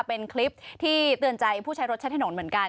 เป็นคลิปที่เตือนใจผู้ใช้รถใช้ถนนเหมือนกัน